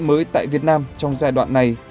mới tại việt nam trong giai đoạn này